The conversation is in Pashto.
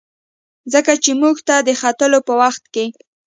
ځکه چې موټر ته د ختلو په وخت کې.